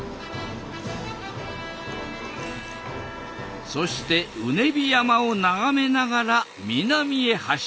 そして畝傍山を眺めながら南へ走る。